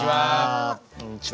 こんにちは。